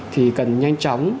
thì cần nhanh chóng